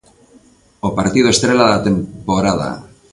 O partido estrela da temporada.